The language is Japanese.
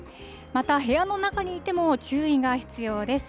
また、部屋の中にいても注意が必要です。